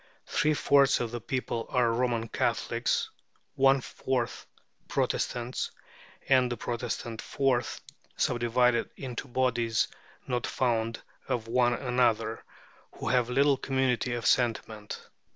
Three fourths of the people are Roman Catholics, one fourth Protestants, and this Protestant fourth subdivided into bodies not fond of one another, who have little community of sentiment.